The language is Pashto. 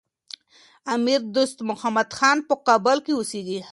امیر دوست محمد خان په کابل کي اوسېږي.